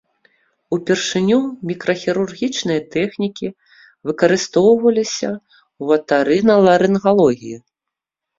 Упершыню мікрахірургічныя тэхнікі выкарыстоўваліся ў отарыналарынгалогіі.